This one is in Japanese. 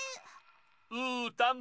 うーたん！